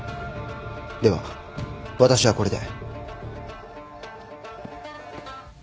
では私はこれで。